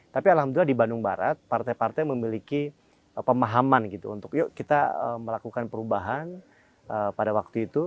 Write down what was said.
tapi alhamdulillah di bandung barat partai partai memiliki pemahaman gitu untuk yuk kita melakukan perubahan pada waktu itu